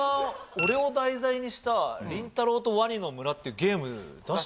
俺を題材にした「りんたろー。とワニの村」っていうゲーム出したんすよ